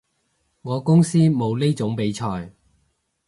我公司冇呢種比賽